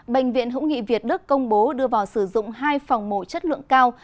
bệnh viện hữu nghị việt đức công bố đưa vào sử dụng hai phòng mổ chất lượng cao